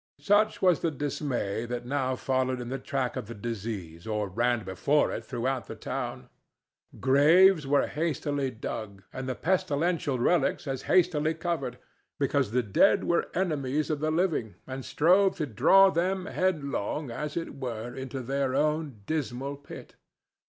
Such was the dismay that now followed in the track of the disease or ran before it throughout the town. Graves were hastily dug and the pestilential relics as hastily covered, because the dead were enemies of the living and strove to draw them headlong, as it were, into their own dismal pit.